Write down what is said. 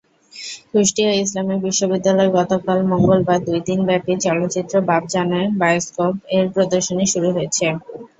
কুষ্টিয়া ইসলামী বিশ্ববিদ্যালয়ে গতকাল মঙ্গলবার দুই দিনব্যাপী চলচ্চিত্র বাপজানের বায়স্কোপ–এর প্রদর্শনী শুরু হয়েছে।